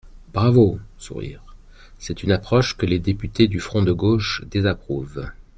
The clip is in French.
Bravo ! (Sourires.) C’est une approche que les députés du Front de gauche désapprouvent.